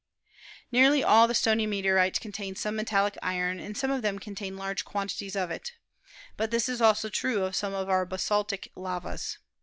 Nearly all the stony meteorites contain some metallic iron, and some of them contain large quantities of it. But ,this is also true of some of our basaltic lavas.